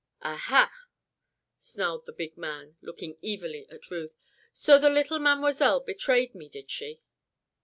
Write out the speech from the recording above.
"Ah ha!" snarled the big man, looking evilly at Ruth. "So the little Mademoiselle betrayed me; did she?"